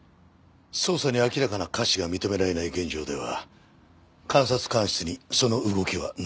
捜査に明らかな瑕疵が認められない現状では監察官室にその動きはない。